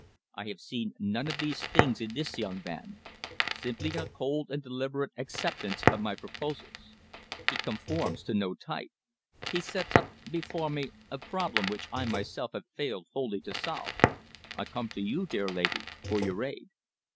I have seen none of these things in this young man simply a cold and deliberate acceptance of my proposals. He conforms to no type. He sets up before me a problem which I myself have failed wholly to solve. I come to you, dear lady, for your aid."